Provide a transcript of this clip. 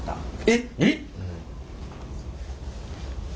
えっ！